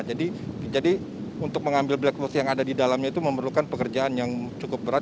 jadi untuk mengambil black box yang ada di dalamnya itu memerlukan pekerjaan yang cukup berat